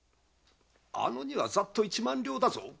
あの荷はざっと一万両だぞ。